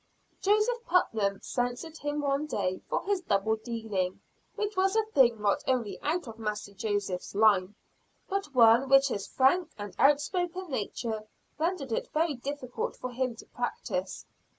Joseph Putnam censured him one day for his double dealing, which was a thing not only out of Master Joseph's line, but one which his frank and outspoken nature rendered it very difficult for him to practise.